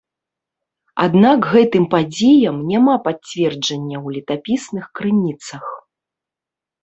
Аднак гэтым падзеям няма падцверджання ў летапісных крыніцах.